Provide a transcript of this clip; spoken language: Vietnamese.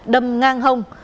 đâm ngang hông